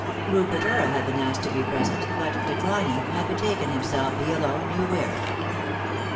Rupert Earle had been asked to be present, but, declining, had betaken himself he alone knew where.